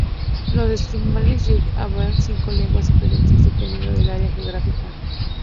Los esquimales yupik hablan cinco lenguas diferentes, dependiendo del área geográfica.